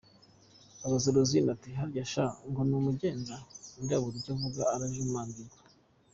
Abaza Rwasine ati “Harya sha! so ngo ni umugenza?” Undi abura icyo avuga arajumarirwa.